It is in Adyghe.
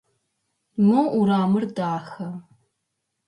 Мо урамыр дахэ.